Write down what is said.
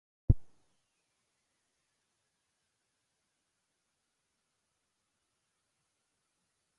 German সরকারের সহায়তায় বাংলাদেশ সরকার কোনো মতে একটি ছোটখাট ডিএনএ পরীক্ষাগার চালায়।